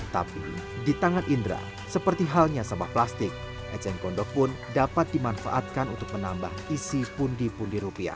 tapi di tangan indra seperti halnya sampah plastik eceng gondok pun dapat dimanfaatkan untuk menambah isi pundi pundi rupiah